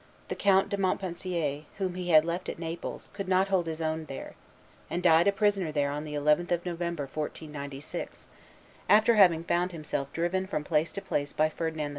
The Count de Montpensier, whom he had left at Naples, could not hold his own there, and died a prisoner there on the 11th of November, 1496, after having found himself driven from place to place by Ferdinand II.